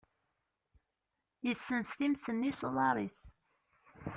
Yessens times-nni s uḍar-is.